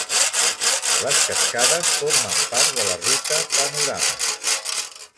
Les cascades formen part de la Ruta Panorama.